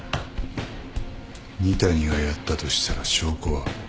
仁谷がやったとしたら証拠は？